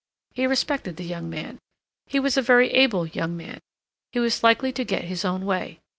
He respected the young man; he was a very able young man; he was likely to get his own way.